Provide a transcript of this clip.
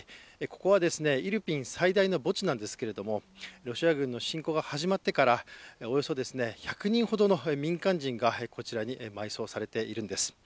ここはイルピン最大の墓地なんですけれども、ロシア軍の侵攻が始まってからおよそ１００人ほどの民間人がこちらに埋葬されているんです。